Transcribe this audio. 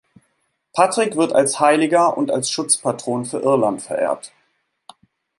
Patrick wird als Heiliger und als Schutzpatron für Irland verehrt.